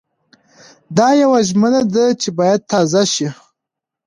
دا يوه ژمنه ده چې بايد تازه شي.